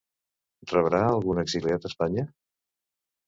Rebrà algun exiliat Espanya?